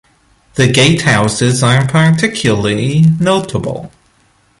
The gatehouses are particularly notable.